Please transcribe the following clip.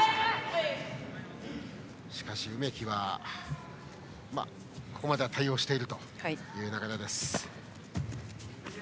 しかし、梅木もここまでは対応しているという流れです。